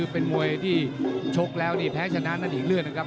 เป็นมวยที่ชกแล้วนี่แพ้ชนะนั่นอีกเรื่องนะครับ